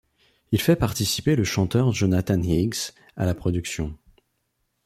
Il fait participer le chanteur Jonathan Higgs à la production.